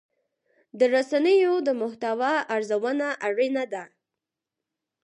د رسنیو د محتوا ارزونه اړینه ده.